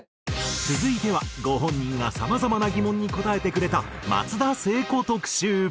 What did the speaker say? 続いてはご本人がさまざまな疑問に答えてくれた松田聖子特集。